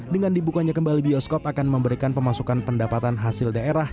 dengan dibukanya kembali bioskop akan memberikan pemasukan pendapatan hasil daerah